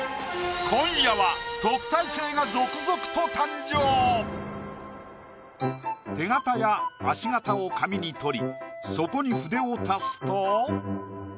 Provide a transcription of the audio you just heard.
今夜は手形や足形を紙にとりそこに筆を足すと。